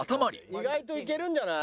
意外といけるんじゃない？